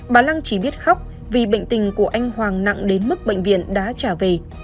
bà lăng chỉ biết khóc vì bệnh tình của anh hoàng nặng đến mức bệnh viện đã trả về